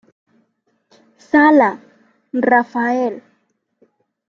Sala, Rafael.